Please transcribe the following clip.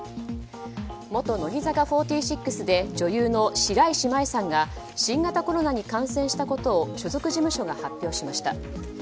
元乃木坂４６で女優の白石麻衣さんが新型コロナに感染したことを所属事務所が発表しました。